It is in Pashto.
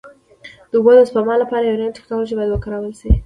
د اوبو د سپما لپاره نوې ټکنالوژي باید وکارول شي.